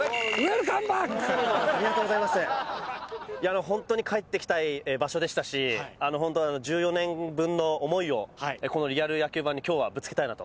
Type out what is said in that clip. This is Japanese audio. いや本当に帰ってきたい場所でしたし１４年分の思いをこのリアル野球ＢＡＮに今日はぶつけたいなと。